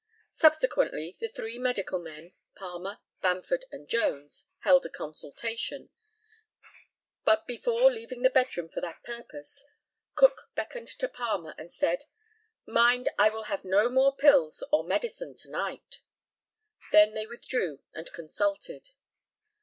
Subsequently the three medical men (Palmer, Bamford, and Jones) held a consultation, but before leaving the bedroom for that purpose, Cook beckoned to Palmer, and said, "Mind, I will have no more pills or medicine to night." They then withdrew and consulted.